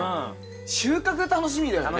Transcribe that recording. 収穫楽しみだよね。